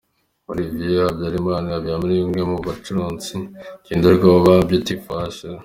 Olivier Habiyaremye umwe mu bacuranzi ngenderwaho ba Beauty For Ashes.